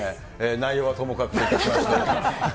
内容はともかくとしまして。